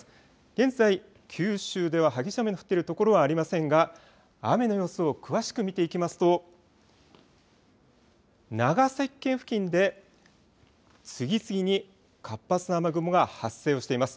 現在、九州では激しい雨の降っているところはありませんが雨の様子を詳しく見ていきますと長崎県付近で次々に活発な雨雲が発生をしています。